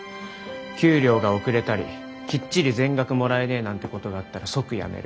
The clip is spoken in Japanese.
給料が遅れたりきっちり全額もらえねえなんてことがあったら即辞める。